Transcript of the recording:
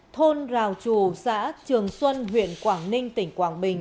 thôn rào trù xã trường xuân huyện quảng ninh tỉnh quảng bình